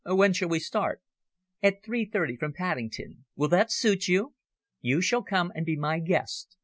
"When shall we start?" "At three thirty from Paddington. Will that suit you? You shall come and be my guest."